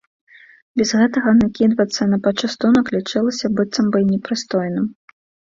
Без гэтага накідвацца на пачастунак лічылася быццам бы і непрыстойным.